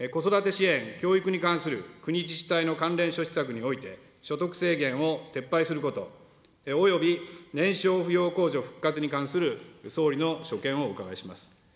子育て支援、教育に関する国・自治体の関連諸施策において、所得制限を撤廃することおよび年少扶養控除復活に関する総理の所見をお伺いします。